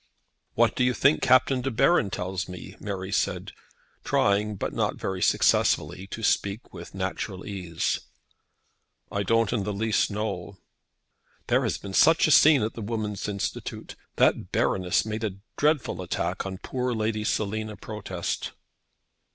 "What do you think Captain De Baron tells me?" Mary said, trying, but not very successfully, to speak with natural ease. "I don't in the least know." "There has been such a scene at the Women's Institute! That Baroness made a dreadful attack on poor Lady Selina Protest."